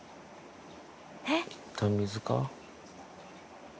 いったん水か？